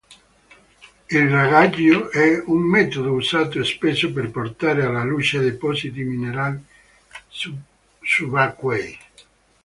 Il dragaggio è un metodo usato spesso per portare alla luce depositi minerari subacquei.